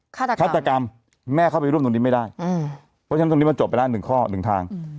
ฆาตกรรมแม่เข้าไปร่วมตรงนี้ไม่ได้เพราะฉะนั้นตรงนี้มันจบไปได้๑ข้อ๑ทาง